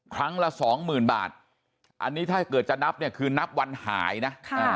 ครั้งละสองหมื่นบาทอันนี้ถ้าเกิดจะนับเนี่ยคือนับวันหายนะ